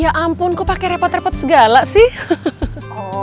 dan waktu dulu